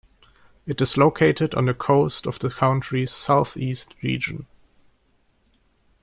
It is located on the coast of the country's Southeast region.